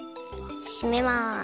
しめます。